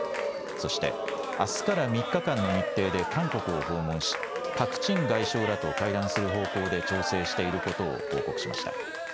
そして、あすから３日間の日程で韓国を訪問しパク・チン外相らと会談する方向で調整していることを報告しました。